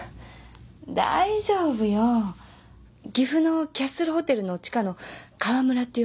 岐阜のキャッスルホテルの地下の河むらっていうお店で。